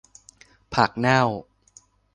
ผักเน่า